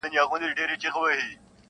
سپی مي دغه هدیره کي ښخومه,